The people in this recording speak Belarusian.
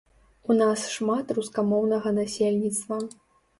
У нас шмат рускамоўнага насельніцтва.